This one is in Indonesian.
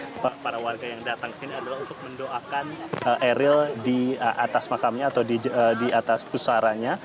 untuk para warga yang datang ke sini adalah untuk mendoakan eril di atas makamnya atau di atas pusaranya